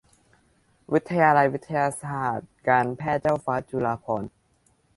วิทยาลัยวิทยาศาสตร์การแพทย์เจ้าฟ้าจุฬาภรณ์